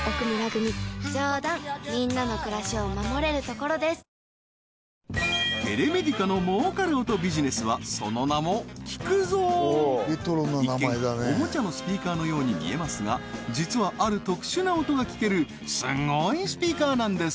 これもテレメディカの儲かる音ビジネスはその名も聴くゾウ一見おもちゃのスピーカーのように見えますが実はある特殊な音が聴けるすごいスピーカーなんです